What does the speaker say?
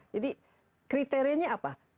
jadi kriterianya apa